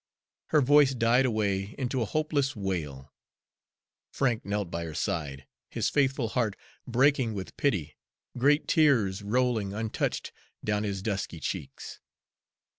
Her voice died away into a hopeless wail. Frank knelt by her side, his faithful heart breaking with pity, great tears rolling untouched down his dusky cheeks.